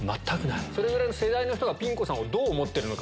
それぐらいの世代の人がピン子さんをどう思ってるのか。